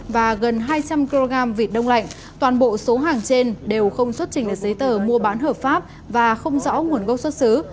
và gần hai trăm linh kg vịt đông lạnh toàn bộ số hàng trên đều không xuất trình được giấy tờ mua bán hợp pháp và không rõ nguồn gốc xuất xứ